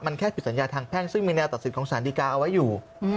มันแค่ผิดสัญญาทางแพ่งซึ่งมีแนวตัดสินของสารดีกาเอาไว้อยู่